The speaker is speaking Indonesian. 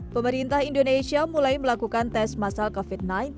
pemerintah indonesia mulai melakukan tes masal covid sembilan belas